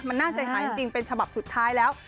มันน่าใจหายจริงเป็นฉบับสุดท้ายแล้ว